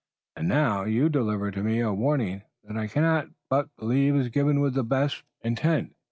And now you deliver to me a warning that I cannot but believe is given with the best intent.